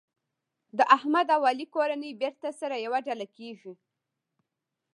د احمد او علي کورنۍ بېرته سره یوه ډله کېږي.